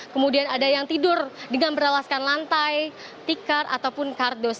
kemudian ada yang tidur dengan beralaskan lantai tikar ataupun kardus